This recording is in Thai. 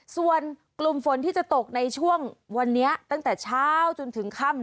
ส่วนกลุ่มฝนที่จะตกในช่วงวันนี้ตั้งแต่เช้าจนถึงค่ำ